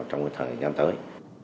trong thời gian tới